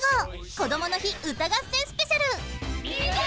こどもの日歌合戦スペシャル。